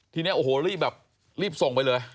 ทีนี้โอ้โหรีบส่งไปเลย